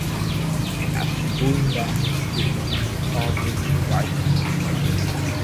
After going back to school he discovered writing.